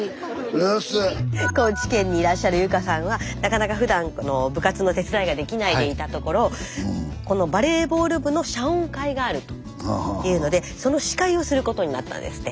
高知県にいらっしゃる侑加さんはなかなかふだん部活の手伝いができないでいたところこのバレーボール部の謝恩会があるというのでその司会をすることになったんですって。